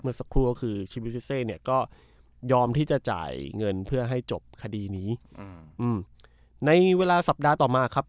สักครู่ก็คือชีวิตซิเซเนี่ยก็ยอมที่จะจ่ายเงินเพื่อให้จบคดีนี้อืมในเวลาสัปดาห์ต่อมาครับ